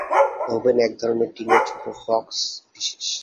Oven এক ধরনের টিনের ছোট বক্স বিশেষ।